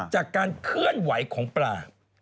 จากการเคลื่อนไหวของปลา